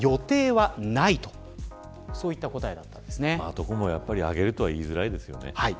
どこも上げるとは言いづらいですよね。